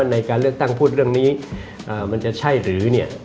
ในการเลือกตั้งพูดเรื่องนี้มันจะใช่หรือเนี่ย